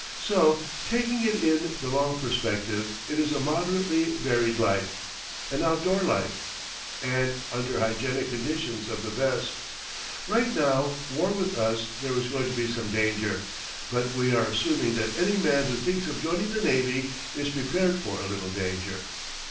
So, taking it in the long perspective, it is a moderately varied life, an outdoor life, and under hygienic conditions of the best. Right now, war with us, there is going to be some danger; but we are assuming that any man who thinks of joining the navy is prepared for a little danger.